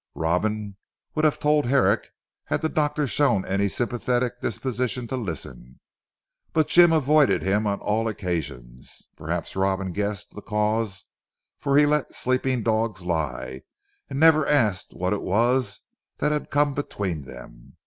Robin would have told Herrick had the doctor shown any sympathetic disposition to listen. But Jim avoided him on all occasions. Perhaps Robin guessed the cause, for he let sleeping dogs lie, and never asked what it was that had come between them.